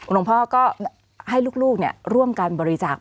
หลวงพ่อก็ให้ลูกร่วมกันบริจาค